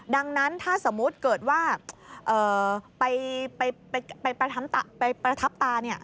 ดังนั้นถ้าสมมุติเกิดว่าไปประทับตา